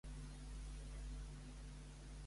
D'aquesta forma, què era el que no sabien ubicar?